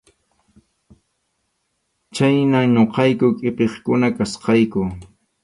Khaynam ñuqayku qʼipiqkuna kachkayku.